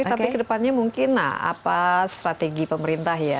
tapi kedepannya mungkin apa strategi pemerintah ya